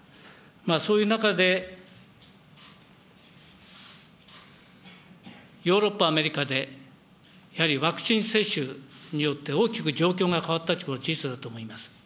そういう中で、ヨーロッパ、アメリカで、やはりワクチン接種によって大きく状況が変わったということは事実だと思います。